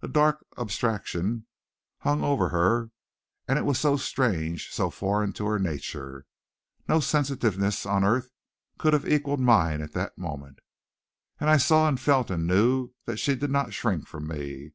A dark abstraction hung over her, and it was so strange, so foreign to her nature. No sensitiveness on earth could have equaled mine at that moment. And I saw and felt and knew that she did not shrink from me.